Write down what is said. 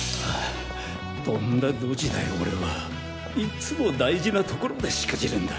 とんだドジだよ俺は。いつも大事なところでしくじるんだ。